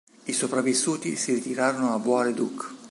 I sopravvissuti si ritirarono a Bois-le-Duc.